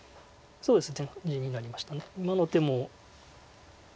そうですね。